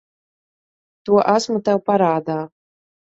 To esmu tev parādā.